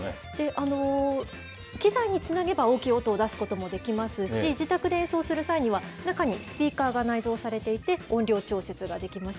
機材につなげば大きい音を出すこともできますし、自宅で演奏する際には、中にスピーカーが内蔵されていて、音量調節ができます。